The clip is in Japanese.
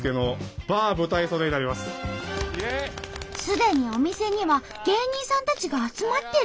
すでにお店には芸人さんたちが集まってる！